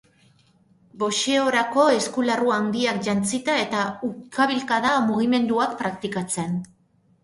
Boxeorako eskularru handiak jantzita eta ukabilkada-mugimenduak praktikatzen.